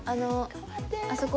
あそこ。